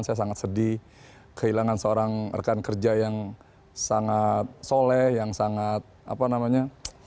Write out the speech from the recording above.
saya sangat sedih kehilangan seorang rekan kerja yang sangat soleh yang sangat apa namanya